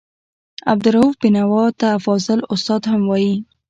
عبدالرؤف بېنوا ته فاضل استاد هم وايي.